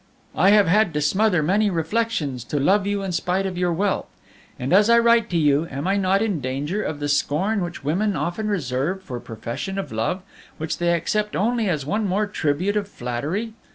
I have had to smother many reflections to love you in spite of your wealth; and as I write to you, am I not in danger of the scorn which women often reserve for profession of love, which they accept only as one more tribute of flattery?